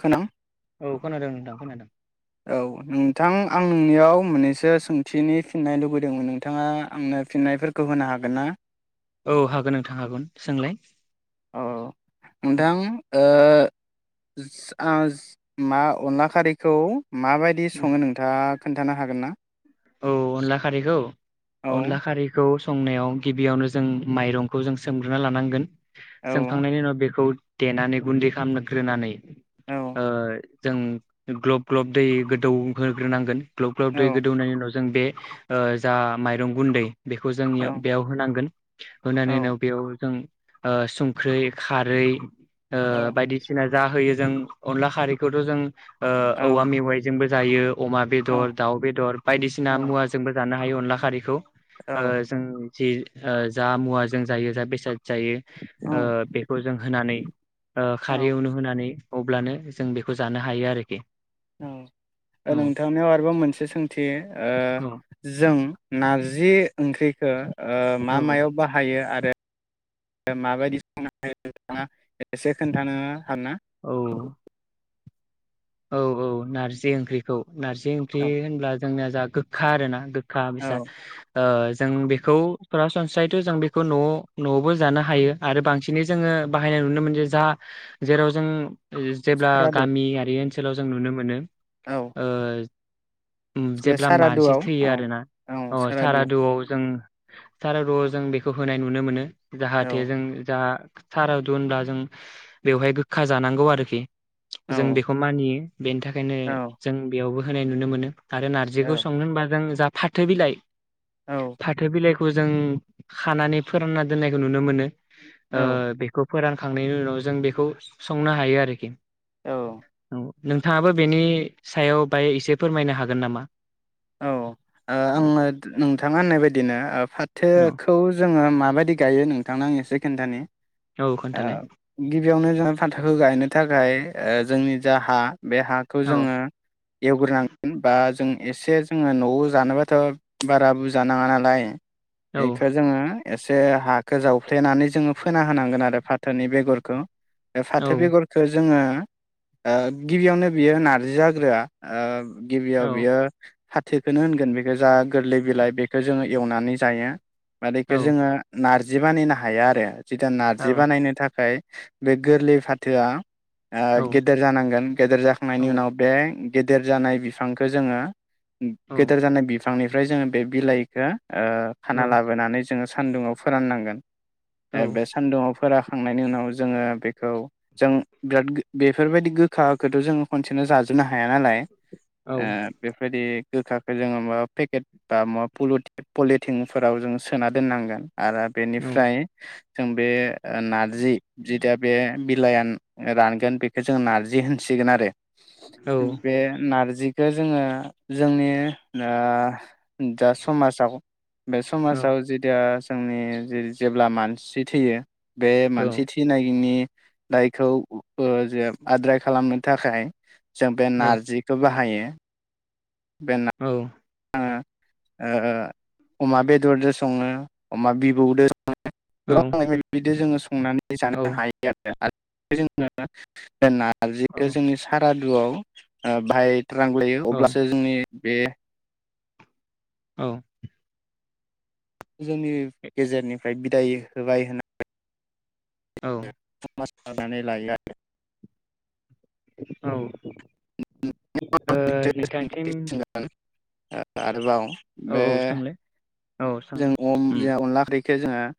खोनां औ खोनादों नोंथां खोनादों। औ नोंथां आं नोंनियाव मोननैसो सोंथिनि फिननाय लुबैदोंमोन नोंथाङा आंनो फिन्नायफोरखौ होनो हागोन ना? औ हागोन नोंथां हागोन सोंलाय। अ नोंथां ओ [unintelligible] आ मा अनला खारैखौ माबादि सङो नोंथाङा खोन्थानो हागोन ना? औ अनला खारैखौ? औ अनला खारैखौ संनायाव गिबियावनो जों माइरंखौ जों सोमग्रोना लानांगोन। औ सोमखांनायनि उनाव बेखौ देनानै गुन्दै खामग्रोनानै औ ओ जों ग्ल'ब ग्ल'ब दै गोदौ होग्रोनांगोन। ग्ल'ब ग्ल'ब औ दै गोदौनायनि उनाव जों बे ओ जा माइरं गुन्दै बेखौ औ जोंनिया बेयाव होनांगोन औ होनानै उनाव बेयाव जों ओ संख्रै खारै ओ औ बायदिसिना जाहोयो। जों अनला खारैखौथ' जों ओ औ औवा मेवाइजोंबो जायो। अमा बेदर दाउ बेदर बायदिसि ना औ मुवाजोंबो जानो हायो अनला खारैखौ। ओ जों जि ओ जा मुवा जों जायो जा बेसाद जायो ओ औ बेखौ जों होनानै ओ खारै आवनो होनानै अब्लानो जों बेखौ जानो हायो आरोखि। औ ओ औ नोंथांनियाव आरोबाव मोनसे सोंथि। ओ जों नारजि ओंख्रैखो ओ मा औ मायाव बाहायो आ रो माबायदि [inaudible] एसे खोन्थानो हागोनना? औ औ औ नारजि ओंख्रिखौ। नारजि ओंख्रि औ होनब्ला जोंना जा गोखा आरो ना गो खा बिसार ओ जों बेखौ सरासनस्रायैथ' जों बेखौ न'वाव न'वावबो जानो हायो आरो बांसिनै जोङो बाहायनाय नुनो मोनो जा जेराव जों ओ जेब्ला सारादु गामियारि ओन ओनसोलाव जों नुनो मोनो। औ ओ ओम बे जेब्ला मानसि सारादुआव थैयो औ आरोना औ अ सारादु सारादुवाव जों सारादुवाव औ जों बेखौ होनाय नुनो मोनो। औ जाहाथे जों जाहा सारादु होनबा जों बेवहाय गोखा जानांगौ आरोखि औ जों बेखौ नियो बेनि थाखायनो औ जों बेयावबो होनाय नुनो मोनो। आरो नारजिखौ संनो होनबा जों जा फाथो बिलाइ औ फाथो बिलाइखौ खौ जों खानानै फोरानना दोननायखौ नुनो मोनो। ओ बेखौ फोरानखांनायनि उनाव जों बेखौ संनो हायो आरोखि औ। औ नोंथाङाबो बेनि सायाव बाय एसे फोरमायनो हागोन नामा? औ ओ आङो नोंथाङा होननाय बायदिनो औ फाथोखौ जोङो माबायदि गायो नों थांनो आङो एसे खोनथानि औ ओ खोन्थालाय गिबियावनो जोङो फाथोखो गायनो थाखाय ओ जोंनि जा हा बे हाखौ औ जोङो एवग्रोनांगोन बा जों एसे जोङो न'आव जानोबाथ' बारा बुरजा नाङा नालाय औ एखो जोङो। एसे हाखौ जावफ्लेनानै जोङो फोना होनांगोन आरो फाथोनि बेगरखौ। बे फाथो औ बेगरखौ जोङो ओ गिबियावनो बियो नारजि जाग्रोआ औ गिबियाव बियो फाथोखोनो होनगोन बेखौ जा गोरलै बिलाइ बेखो जोङो एवनानै जायो आर औ इखो जोङो नार जि बानायनो हाया आरो जिथा औ नार्जि बानायनो थाखाय बे गोरलै फाथोआ आ औ गेदेर जानांगोन गेदेर औ जाखांनायनि उनाव बे गेदेर जानाय बिफांखो जोङो गेदेर जानाय बि फांनिफ्राय जोङो बे बिलाइखो ओ औ खाना लाबोनानै जोंङो सान्दुुङाव फोराननांगोन औ ए बे सान्दुङाव फोरा खांनायनि उनाव जोंङो बेखौ जों बिराद बेफोरबायदि गोखाखौथ जोंङो खनसेनो जाजोबनो हाया नालाय औ ओ औ बेफोबायदि गोखाखो जोंङो माबा पेकेट बा माबा पलटि पलिटिंफोराव जोंङो सोना दोननांगोन आरो बेनिफ्राय जों बे नारजि जि दा बे बिलायान रानगोन बेखौ जों नारजि होनसिगोन आरो बे नारजि खो जोंङो जोंनि नो दा समाजाव बे औ समाजाव जिदा जोंनि जेरै जेब्ला मानसि थैयो बे मानसे थैनायनि दा इखौ ओ जे आद्राय खालामनो थाखाय जों बे नारजिखौ बाहायो [inaudible] औ आंङो ओ अमा बेदरजो संङो अमा बिबौदो [unintelligible] संनानै जानो औ हायो आर [unintelligible] नारजिखो औ जोंनि सारा [unintelligible] ओ भाय रां लायो अब्लासो जोंनि बे औ जोंनि गेजेरनिफ्राय बिदाय होबाय होननानै औ [unintelligible] लायो आरो औ ओ नोंथांनिसिम आरोबाव बे सोंलाय औ सोंलाय उम [unintelligible] अनला खारै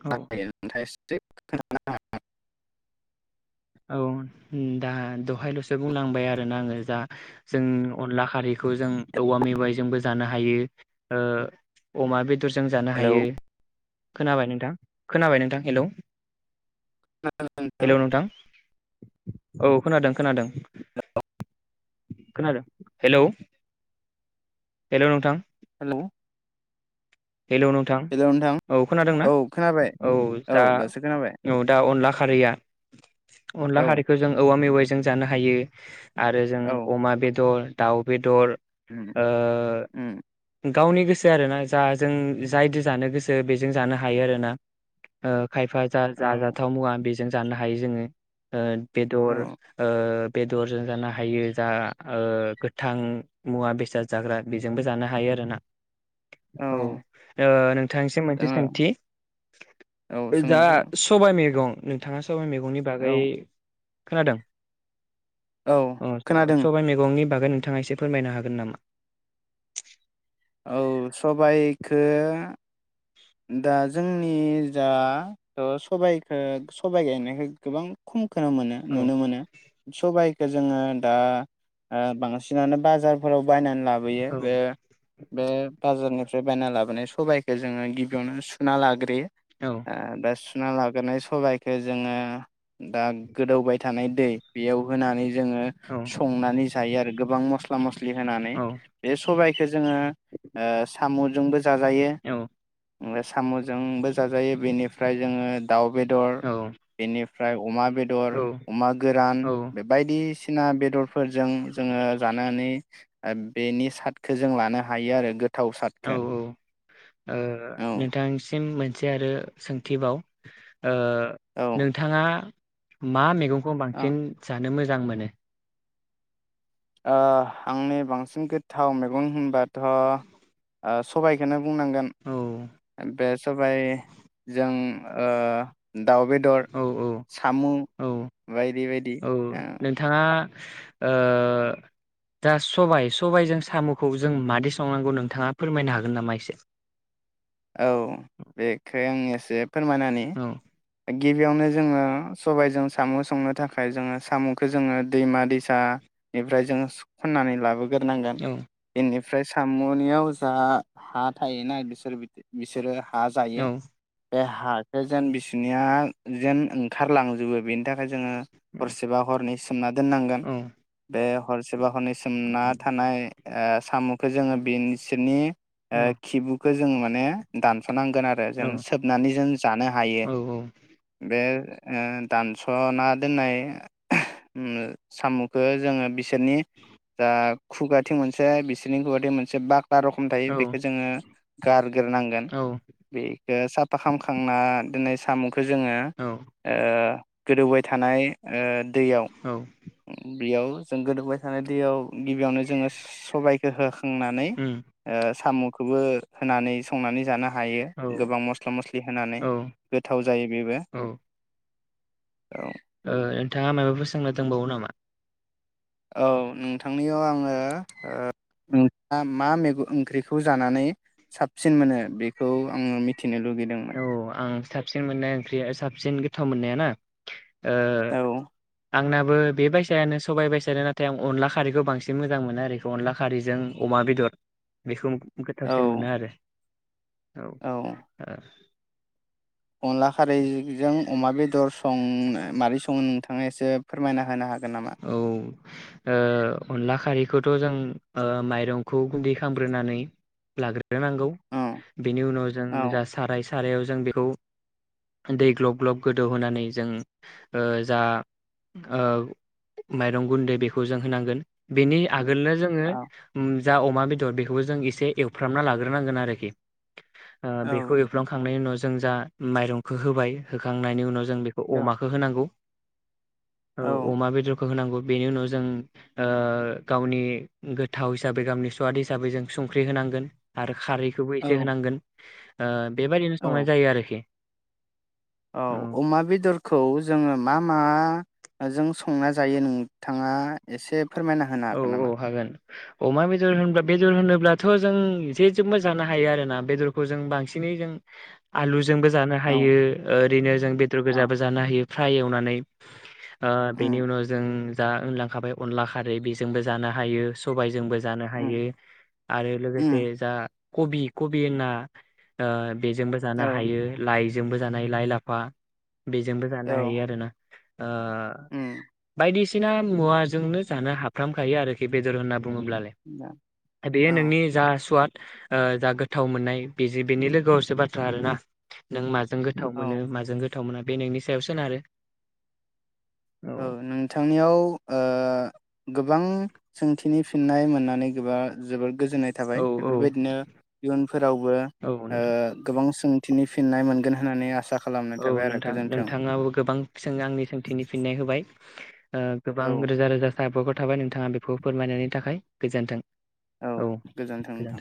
औ [unintelligible] [unintelligible] [unintelligible] औ दा दहायल'सो बुंलांबाय आरोना आङो जा जों अनला खारैखौ जों औवा मेवाइजोंबो जानो हायो ओ अमा बे दरजों जानो हेलौ हायो खोनाबाय नोंथां खोनाबाय नोंथां हेलौ हेलौ नोंथां औ खोनादों-खोनादों-खोनादों हेलौ हेलौ नोंथां हेलौ हेलौ नोंथां हेलौ नोंथां औ खोनादोंना औ खोनाबाय औ दा दासो खोनाबाय औ दा अनला खारैया अनला औ खारैखौ जों औवा मेवाय जों जानो हायो आरो जों अमा बेदर दाउ बेदर अम ओ अम गावनि गोसो आरोना जा जों जायदो जानो गोसो बेजों जानो हायो आरोना। खायफा औ जा-जा-जाथाव मुवा बेजों जानो हायो जोंङो। होन बेदर औ ओ बेदरजों जानो हायो जा ओ गोथां मुवा बेसाद जाग्रा बेजोंबो जानो हायो आर ना। औ ओ नोंथांनिसिम मोनसे जोङो सोंथि औ सोङो दा जोङो सबाय मैगं नोंथाङा सबाय मेगंनि बागै औ खोनादों औ अ खोनादों सबाय मैगंनि बागै नोंथाङा एसे फोरमायनो हागोन नामा। औ सबायखो दा जोंनि जा ओ सबायखो-सबाय गायनायखौ गोबां खम खोनो मोनो औ नुनो मोनो सबाय जोंङो दा ओ बांसिनानो बाजारफोराव बायना लाबोयो औ बे-बे बाजारनि बायना लाबोनाय सबायखौ जोंङो गि बियावनो सुना लाग्रोयो औ ओ बे सु ना लाग्रोनाय सबायखौ जोंङो दा गोदौबाय थायो थानाय दै बेयाव होनानै जोङो औ संनानै जायो आरो गोबां मस्ला मस्लि होनानै औ बे सबायखौ जोङो ओ साम'जों जोंबो जाजायो औ ओफ्राय साम'जोंबो जाजायो बेनिफ्राय जोङो दाउ बेदर औ बेनिफ्राय अमा बेदर अमा गोरान औ बेबायदिसिना ना बेदर फोरजों जोंङो जानानै बेनि साादखौ जों लानो हायो आरो गोथाव औ औ सादखौ ओ औ नोंथांनिसिम ओम मोनसे आरो सोंथि बाव ओ औ नोंथांङा मा मेगं खौ बांसिन औ जानो मोजां मोजां मोनो ओ आंनि बांसिन गोथाव मैगं होनबाथ' ओ सबायखौनो बुंनांगोन औ बे सबाइ जों ओ दाउ बेदर औ साम' औ बायदि बायदि औ ओम नोंथाङा ओ दा सबाय सबायजों साम'खौ जों मादि संनांगौ नोंथाङा फोरमायनो हागोन नामा एसे? [unintelligible] फोरमायना होनि औ गिबियावनो जोंङो सबायजों साम' संनो थाखाय जोंङो साम'खौ जोंङो दैमा दैसानिफ्राय जोंङो खन्नानै लाबोगोन। ग्रोनां गोन। औ ओमफ्राय साम'नियाव जा हा थायोना बिसोर बिसोरो हा औ जायो। बे हाखौ जेन बिसनिया जेन ओंखारलांजोबो बेनि थाखाय जोङो औ हरसेबा हरनै सोमना दोननांगोन। औ बे हरसे बा हरनै सोमना थानाय ओ सामुखौ जोंङो। बिनि सिंनि ओ औ खिबुखौ जों नोदान खारनांगोन आरो औ जों सोबनानै जों जानो हायो। औ बे ओ दानस'ना दोननाय ओ साम'खौ जोङो बिसोरनि जा खुगाथिं मोनसे बिसोरनि खुगाथिं मोनसे बा बा रोखम थायो औ बेखौ जोङो गारग्रोनांगोन बे दिनो साफा खालामखांना इदिनो साम' खौ जोङो औ ओ गोदौबाय थानाय ओ दैयाव औ बेयाव जों गोदौबाय थानाय दैयाव गिबियावनो जोङो सबाइखौ हो खांनानै उम ओ साम' खौबो होनानै संनानै जानो हायो औ गोबां मस्ला मस्लि होनानै औ गोथाव जायो बेबो। औ औ। ओ नोंथाङा मायफोर सोंना दोंबावो नामा? औ नोंथांनियाव आङो ओ नोंथाङा मा मैगं ओंख्रिखौ जानानै साबसिन मोनो बेखौ आङो मिथि थिनो लुगैदोंमोन। औ आं साबसिन मोननाया ओंख्रि आरो साबसिन गोथाव मोननाया ना ओ औ। आंनाबो बे बायसायानो सबाइ बायसानो नाथाय आं अनला खारैखौ बांसिन मोजां मोनो आरो अनला खारैजों अमा बेदर। बेखौ औ गोथावसिन मोनो आरो। औ ओ। अनला खारैजों अमा बेदर संनो माबोरै सङो नोंथाङा एसे फोरमायना थानो हागोन नामा? ओ अनला खारैखौथ' जों ओ माइरंखौ गुन्दै खालामग्रोनानै लाग्रो नागौ औ बेनि उनाव औ जों साराय सारायाव जों बेखौ दै ग्लब ग्लब गोदौहोनानै जों ओ जा ओ माइरं गुन्दै बेखौ जों होनांगोन बेनि आगो‌ लनो जोङो औ जा अमा बेदर बेखौबो जों एसे एवफ्रामना लाग्रोनांगोन आरोखि। औ बेखौ एफ्रामखांनायनि उनाव जों जा माइरंखौ होबाय होखांनायनि उनाव जों बेखौ दं अमाखौ होनांगौ। औ अमा बे होनांगौ बेनि उनाव जों ओ गावनि गोथाव हिसाबै गावनि स्वाद हिसाबै जों संख्रि होनांगोन आरो खारैखौबो औ एसे होनांगोन आ बेबायदिनो संनाय औ जायो आरोखि। औ अमा बेदरखौ जोङो मा मा? जों संना जायो नोंथाङा एसे फोरमायना होनो औ हागोन नामा? औ हागोन अमा बेदर होनब्ला बेदर होनोब्लाथ' जों जे जोंबो जां जानो हायो आरोना। बेदरखौ जों बांसिनै जों आलु जोंबो जानो हायो औ ओरैनो जों बेदर औ गोजाबो जानो हायो। फ्राय एवनानै ओ बेनि उम उनाव जों दा होनलांखाबाय अनला खारै बे जोंबो जानो हायो सबायजोंबो जानो हायो उम आरो उम लोगोसे जा कबि-कबिना बेजोंबो औ जानो हायो लाइ जोंबो जानाय लाइ लाफा बेजोंबो औ जानो हायो आरो ना। ओ उम बायदिस सिना मुवाजोंनो जानो हाब फ्रामखायो आरोखि बेदर होनना बुङोब्लालाय। बेयो औ नोंनि जा सुवाद ओ जा गोथाव मोननाय बि बेनि लोगोआवसो बाथ्रा आरोना नों मा जों गोथाव औ मोनो माजों गोथाव मोना बे नोंनि सायाव सोनारो। औ नोंथांनियाव ओ गोब गोबां सोंथि नि फिन्नाय मोननानै गोबा जोबोद गोजोननाय थाबाय औ औ बेफोरबायदिनो इयुनफोरावबो औ ओ नोंथां गोबां सों नि फिननाय मोनगोन होननानै आसा खालामनाय औ थाबाय आरो नोंथां। गोजोन्थों नोंथाङाबो गोबां सों आंनि सोंथिनि फिननाय होबाय ओ गोबां औ रोजा रोजा साबायखर थाबाय नोंथाङा बेखौ फोरमायनायनि थाखाय गोजोन्थों औ गोजोन्थों नोंथां।